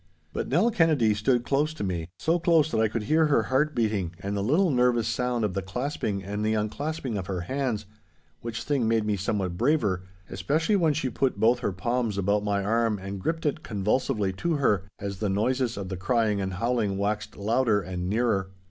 But Nell Kennedy stood close to me, so close that I could hear her heart beating and the little nervous sound of the clasping and the unclasping of her hands—which thing made me somewhat braver, especially when she put both her palms about my arm and gripped it convulsively to her, as the noises of the crying and howling waxed louder and nearer.